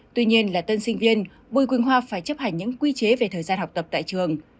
tuy nhiên là tân sinh viên bùi quỳnh hoa phải chấp hành những quy chế về thời gian học tập tại trường